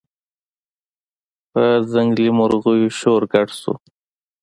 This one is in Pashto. په ځنګلي مرغیو شور ګډ شو